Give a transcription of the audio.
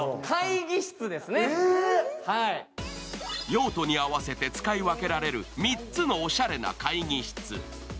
用途に合わせて使い分けられる３つのおしゃれな会議室。